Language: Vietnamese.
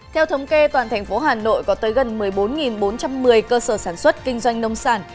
theo thống kê toàn thành phố hà nội có tới gần một mươi bốn bốn trăm một mươi cơ sở sản xuất kinh doanh nông sản